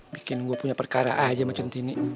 bikin gue punya perkara aja sama sentini